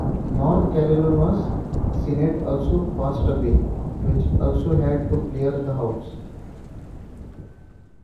North Carolina's Senate also passed a bill, which also had to clear the House.